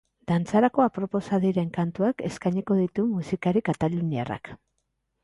Dantzarako aproposa diren kantuak eskainiko ditu musikari kataluniarrak.